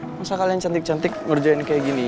nggak usah kalian cantik cantik ngerjain kayak gini